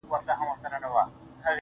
هم راته غم راکړه ته، او هم رباب راکه.